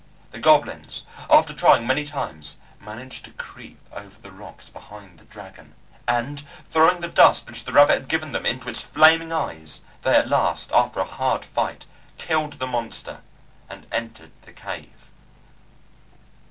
The goblins, after trying many times, managed to creep over the rocks behind the dragon, and throwing the dust which the rabbit had given them into its flaming eyes they at last, after a hard fight, killed the monster and entered the cave.